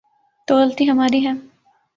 تو غلطی ہماری ہے۔